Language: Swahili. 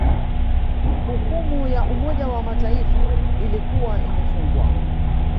Hukumu ya Umoja wa Mataifa ilikuwa imefungwa